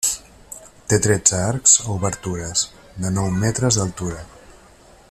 Té tretze arcs o obertures, de nou metres d'altura.